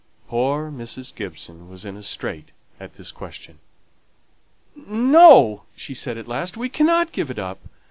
Poor Mrs. Gibson was in a strait at this question. "No!" she said at last. "We cannot give it up.